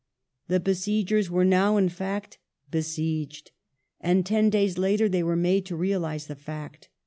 The besiegei s were now, in fact, besieged, and ten days later they were made to realize the fact.